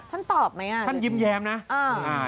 ท่านตอบไหมท่านยิ้มแย้มนะ